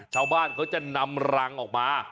ชาวบ้านเขาจะนำรังออกมา